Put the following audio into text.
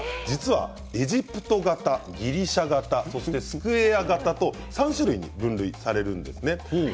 足の形なんですがエジプト型、ギリシャ型スクエア型３種類に分類されるんですね。